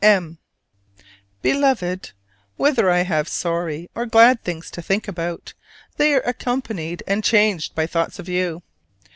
M. Beloved: Whether I have sorry or glad things to think about, they are accompanied and changed by thoughts of you.